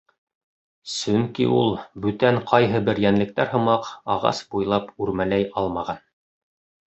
Сөнки ул бүтән ҡайһы бер йәнлектәр һымаҡ ағас буйлап үрмәләй алмаған.